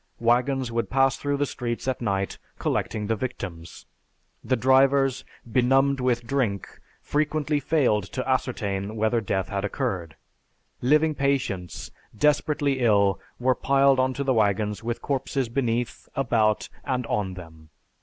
Wagons would pass through the streets at night collecting the victims. The drivers, benumbed with drink, frequently failed to ascertain whether death had occurred. Living patients, desperately ill, were piled into the wagons with corpses beneath, about, and on them.